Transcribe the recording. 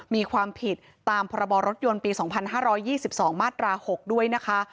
มีความผิดตามพรบรถยนต์ปี๒๕๒๒มาตรา๖ด้วยนะคะ